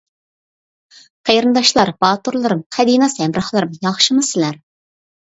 قېرىنداشلار، باتۇرلىرىم، قەدىناس ھەمراھلىرىم، ياخشىمۇ سىلەر!